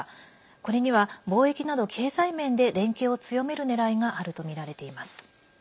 これには貿易など経済面で連携を強めるねらいがあるとみられています。